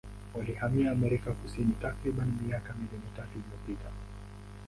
Walihamia Amerika Kusini takribani miaka milioni tatu iliyopita.